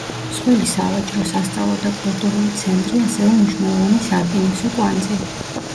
მსხვილი სავაჭრო, სასწავლო და კულტურული ცენტრი, ასევე მნიშვნელოვანი სარკინიგზო კვანძი.